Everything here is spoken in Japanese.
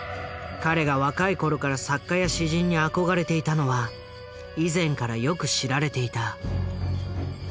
彼が若い頃から作家や詩人に憧れていたのは以前からよく知られていた。